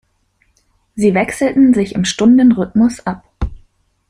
Sie wechselten sich im Stunden-Rhythmus ab.